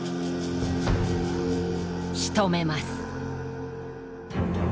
しとめます。